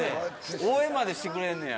応援までしてくれんねや。